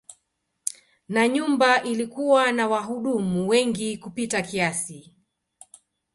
Na nyumba ilikuwa na wahudumu wengi kupita kiasi.